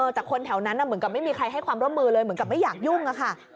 แต่คนแถวนั้นเหมือนกับไม่มีใครให้ความร่วมมือเลยเหมือนกับไม่อยากยุ่งค่ะ